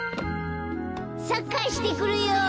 サッカーしてくるよ。